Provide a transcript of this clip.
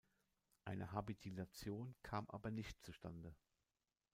Eine Habilitation kam aber nicht zustande.